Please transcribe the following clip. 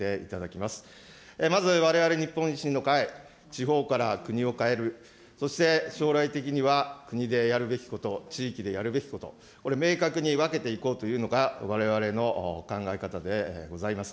まず、われわれ日本維新の会、地方から国を変える、そして将来的には、国でやるべきこと、地域でやるべきこと、これ明確に分けていこうというのが、われわれの考え方でございます。